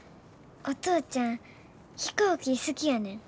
お父ちゃん飛行機好きやねん。